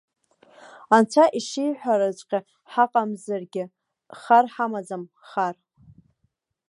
Анцәа ишиҳәараҵәҟьа ҳаҟамзаргьы, хар ҳамаӡам, хар.